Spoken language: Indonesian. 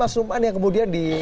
mas ruman yang kemudian di